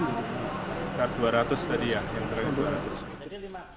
dua ratus tadi ya yang terakhir dua ratus